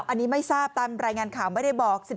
อันนี้ไม่ทราบตามรายงานข่าวไม่ได้บอก